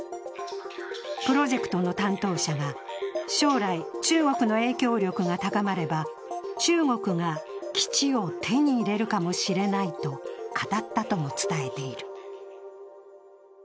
プロジェクトの担当者が将来、中国の影響力が高まれば中国が基地を手に入れるかもしれないと語ったとも伝えている。